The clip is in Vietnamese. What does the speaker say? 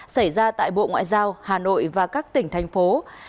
xảy ra tại bộ ngoại giao hà nội và các tỉnh thành phố